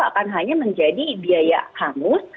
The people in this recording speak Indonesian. akan hanya menjadi biaya hangus